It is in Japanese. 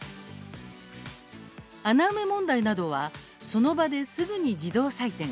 穴埋め問題などはその場ですぐに自動採点。